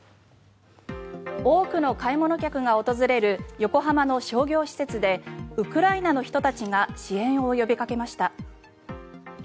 多くの買い物客が訪れる横浜の商業施設でウクライナの人たちが支援を呼びかけました。